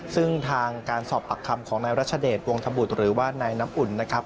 ซึ่งทางการสอบปากคำของนายรัชเดชวงธบุตรหรือว่านายน้ำอุ่นนะครับ